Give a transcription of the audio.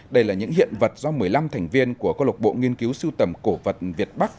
đây là những hiện vật do một mươi năm thành viên của cơ lộc bộ nghiên cứu sưu tầm cổ vật việt bắc